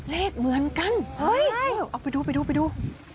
เลขเหมือนกันเออไปดู